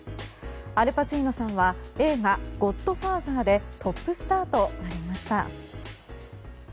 アル・パチーノさんは映画「ゴッドファーザー」でトップスターとなりました。